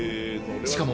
しかも。